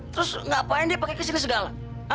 terus ngapain dia pakai kesini segala